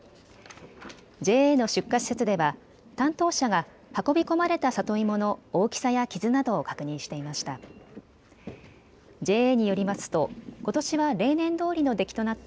ＪＡの出荷施設では担当者が運び込まれた里芋の大きさや傷などを確認していました。